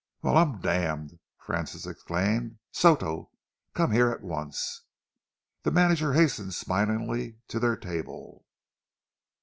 "Well, I'm damned!" Francis exclaimed. "Soto, come here at once." The manager hastened smilingly to their table.